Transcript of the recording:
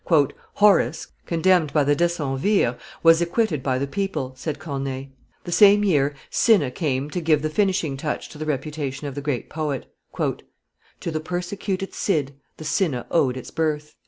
"Horace, condemned by the decemvirs, was acquitted by the people," said Corneille. The same year Cinna came to give the finishing touch to the reputation of the great poet: "To the persecuted Cid the Cinna owed its birth."